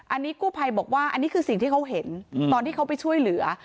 อันนี้กู้ภัยบอกว่าอันนี้คือสิ่งที่เขาเห็นตอนที่เขาไปช่วยเหลือ